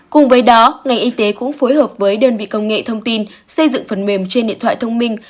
cùng với đó ngành y tế cũng phối hợp với đơn vị công nghệ thông tin xây dựng phần mềm trên điện thoại thông minh